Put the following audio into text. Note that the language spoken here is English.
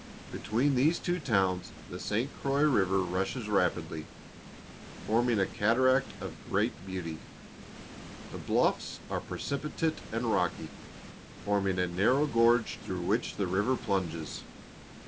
Between these two towns the St. Croix river rushes rapidly, forming a cataract of great beauty. The bluffs are precipitate and rocky, forming a narrow gorge through which the river plunges.